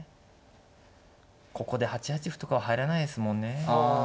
ここで８八歩とかは入らないですもんね。